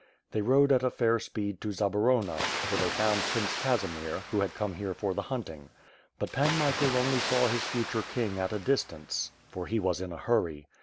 They rode at a fair speed to Zaborona, where they found Prince Casimir, who had come here for the hunting. But Pan Michael only saw his future king at a distance, for he was in a hurry.